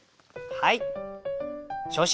はい！